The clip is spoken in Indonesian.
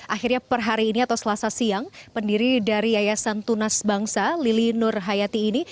akhirnya per hari ini atau selasa siang pendiri dari yayasan tunas bangsa lili nur hayati ini